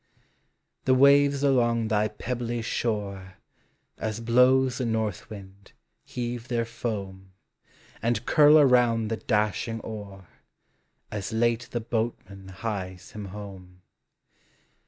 The waves along thy pebbly shore, As blows the north wind, heave their loam, And curl around the dashing oar, As late the boatman hies him home.